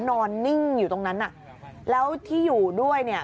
นอนนิ่งอยู่ตรงนั้นน่ะแล้วที่อยู่ด้วยเนี่ย